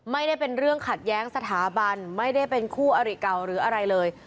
ไม่ได้เป็นเรื่องขัดแย้งสถาบันไม่ได้เป็นคู่อริเก่าหรืออะไรเลย